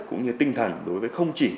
cũng như tinh thần đối với không chỉ